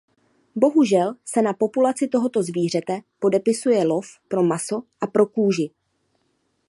Bohužel se na populaci tohoto zvířete podepisuje lov pro maso a pro kůži.